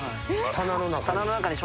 棚の中に。